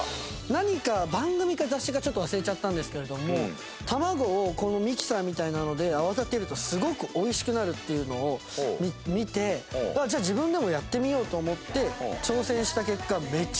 何か番組か雑誌かちょっと忘れちゃったんですけれども卵をこのミキサーみたいなので泡立てるとすごく美味しくなるっていうのを見てじゃあ自分でもやってみようと思って挑戦した結果めちゃくちゃ美味しくて。